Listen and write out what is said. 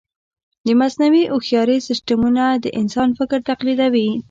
د مصنوعي هوښیارۍ سیسټمونه د انسان فکر تقلیدوي.